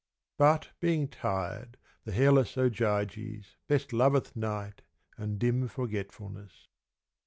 But, being tired, the hairless Ogyges Best loveth night and dim forgetfulness!